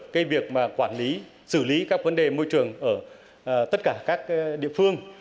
cái việc mà quản lý xử lý các vấn đề môi trường ở tất cả các địa phương